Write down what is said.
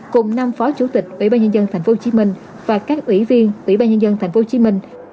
cùng năm phó chủ tịch ủy ban nhân dân tp hcm và các ủy viên ủy ban nhân dân tp hcm